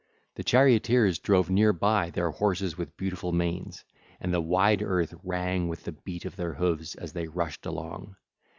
The charioteers drove near by their horses with beautiful manes, and the wide earth rang with the beat of their hoofs as they rushed along.